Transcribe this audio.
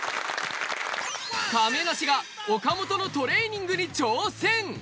亀梨が岡本のトレーニングに挑戦。